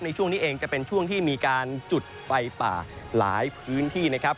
ในช่วงนี้เองจะเป็นช่วงที่มีการจุดไฟป่าหลายพื้นที่นะครับ